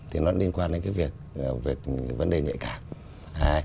thì nó liên quan đến cái việc vấn đề nhạy cảm